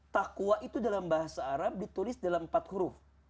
takwa itu dalam bahasa arab ditulis dalam empat huruf